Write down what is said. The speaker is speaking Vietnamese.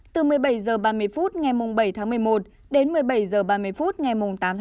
từ một mươi bảy h ba mươi phút ngày bảy một mươi một đến một mươi bảy h ba mươi phút ngày tám một mươi một